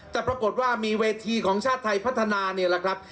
แต่ปรากฏว่ามีเวทีของชาติไทยพัฒนานี่แหละครับ